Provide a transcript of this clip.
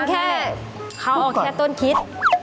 แค่เอาแค่ต้นคิด